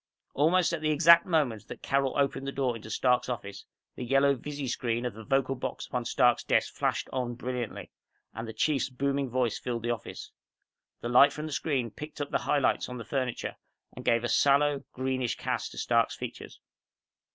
Almost at the exact moment that Carol opened the door into Stark's office, the yellow visi screen of the vocal box upon Stark's desk flashed on brilliantly and the Chief's booming voice filled the office. The light from the screen picked up the highlights on the furniture and gave a sallow, greenish cast to Stark's features.